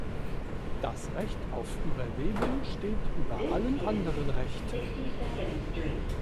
Das Recht auf Überleben steht über allen anderen Rechten.